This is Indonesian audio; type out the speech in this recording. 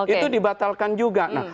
itu dibatalkan juga